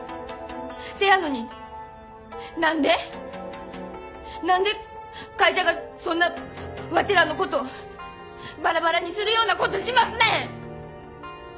せやのに何で何で会社がそんなワテらのことバラバラにするようなことしますねん！